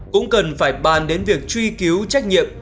cũng cần phải bàn đến việc truy cứu trách nhiệm